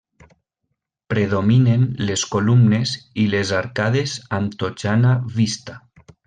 Predominen les columnes i les arcades amb totxana vista.